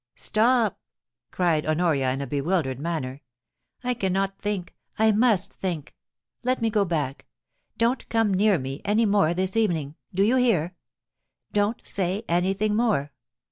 * Stop !' cried Honoria, in a bewildered manner ;* I can not think. I must think. Let me go back. Don't come near me any more this evening. Do you hear ? Don't say anything more.